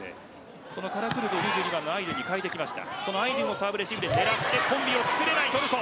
このカラクルトを２２番のアイドゥンに代えてきました。